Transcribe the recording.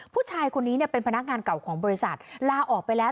ผู้ชายคนนี้เป็นพนักงานเก่าของบริษัทลาออกไปแล้ว